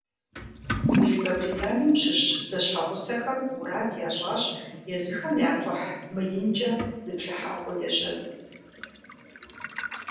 Великобританием щыщ зэщхьэгъусэхэм мурад ящӏащ езыхэм я кхъухь мыинкӏэ зыплъыхьакӏуэ ежьэну.